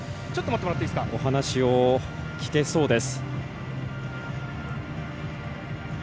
お話を聞けそうです。